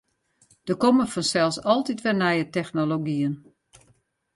Der komme fansels altyd wer nije technologyen.